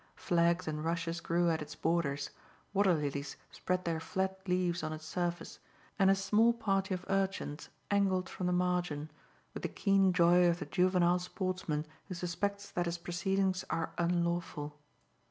Flags and rushes grew at its borders, water lilies spread their flat leaves on its surface, and a small party of urchins angled from the margin, with the keen joy of the juvenile sportsman who suspects that his proceedings are unlawful.